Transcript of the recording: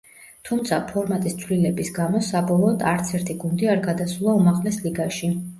თუმცა, ფორმატის ცვლილების გამო, საბოლოოდ, არც ერთი გუნდი არ გადასულა უმაღლეს ლიგაში.